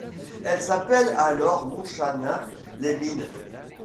Elle s'appelle alors Montchanin-les-Mines.